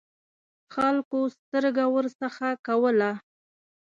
خلکو سترګه ورڅخه کوله.